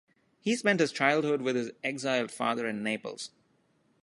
He spent his childhood with his exiled father in Naples.